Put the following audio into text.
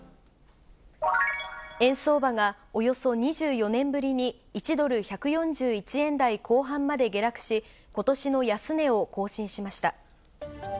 円相場がおよそ２４年ぶりに１ドル１４１円台後半まで下落し、ことしの安値を更新しました。